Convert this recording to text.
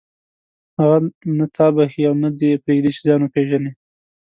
هغه نه تا بخښي او نه دې پرېږدي چې ځان وپېژنې.